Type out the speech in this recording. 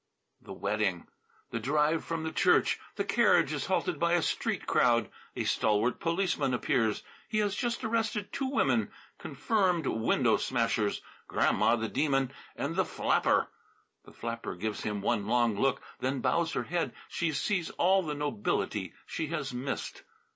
The wedding! The drive from the church! The carriage is halted by a street crowd. A stalwart policeman appears. He has just arrested two women, confirmed window smashers Grandma, the Demon, and the flapper. The flapper gives him one long look, then bows her head. She sees all the nobility she has missed.